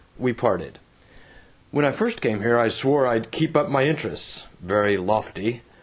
We parted. "When I first came here I swore I'd 'keep up my interests.' Very lofty!